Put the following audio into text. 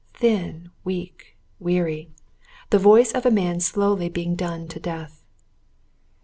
Thin, weak, weary the voice of a man slowly being done to death.